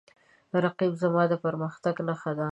رقیب زما د پرمختګ نښه ده